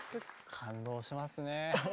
感動しますね。